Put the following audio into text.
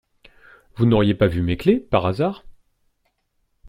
Vous n'auriez pas vu mes clés, par hasard?